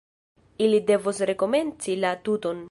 Ili devos rekomenci la tuton.